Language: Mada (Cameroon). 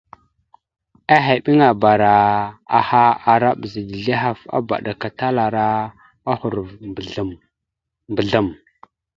Ehebeŋabara aha ara bəza dezl ahaf, abaɗakatalara ohərov mbəzlam- mbəzlam.